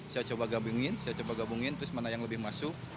saya coba gabungin saya coba gabungin terus mana yang lebih masuk